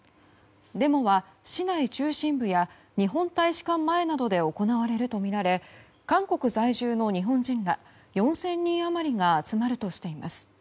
デモは市内中心部や日本大使館前などで行われるとみられ韓国在住の日本人ら４０００人余りが集まるとしています。